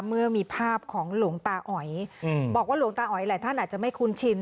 เมื่อมีภาพของหลวงตาอ๋อยบอกว่าหลวงตาอ๋อยหลายท่านอาจจะไม่คุ้นชิน